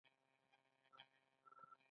سعدي وایي.